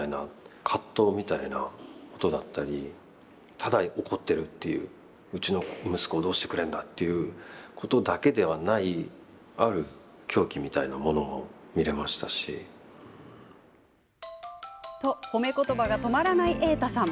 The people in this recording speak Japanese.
ただ怒っているっていう、うちの息子をどうしてくれんだっていうことだけではないと、褒め言葉が止まらない瑛太さん。